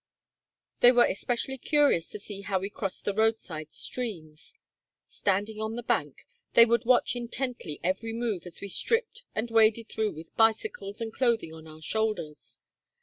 They were especially curious to see how we crossed the roadside streams. Standing on the bank, they would watch intently every move as we stripped and waded through with bicycles and clothing on our shoulders.